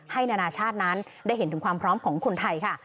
นานาชาตินั้นได้เห็นถึงความพร้อมของคนไทยค่ะ